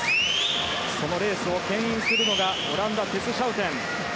そのレースを牽引するのがオランダのテス・シャウテン。